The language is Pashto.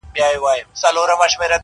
ټول مېږي وه خو هر ګوره سره بېل وه؛